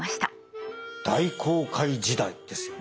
大航海時代ですよね。